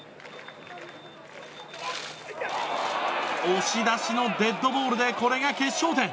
押し出しのデッドボールでこれが決勝点。